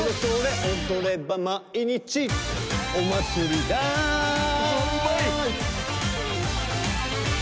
「おどればまいにちおまつりだーい」